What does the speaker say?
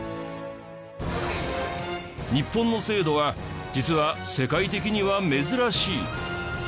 日本の制度は実は世界的には珍しい！